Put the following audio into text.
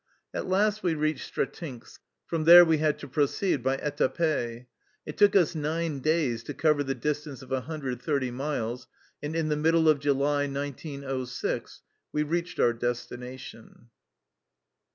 At last we reached Stretinsk. From there we had to proceed by etape. It took us nine days to cover the distance of 130 miles, and in the middle of July, 1906, we reached our destination.